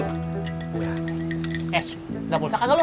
eh udah pulsa kan lo